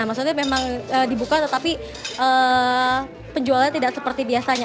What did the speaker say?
maksudnya memang dibuka tetapi penjualnya tidak seperti biasanya